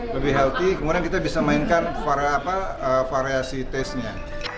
lebih healthy kemudian kita bisa mainkan variasi taste nya